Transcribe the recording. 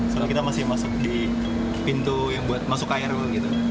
soalnya kita masih masuk di pintu yang buat masuk krl gitu